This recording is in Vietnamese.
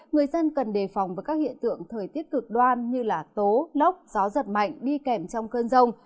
người dân cần đề phòng với các hiện tượng thời tiết cực đoan như tố lốc gió giật mạnh đi kèm trong cơn rông